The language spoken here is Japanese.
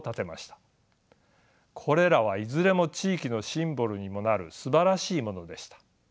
これらはいずれも地域のシンボルにもなるすばらしいものでした。